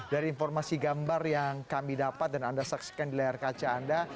dari informasi gambar yang kami dapat dan anda saksikan di layar kaca anda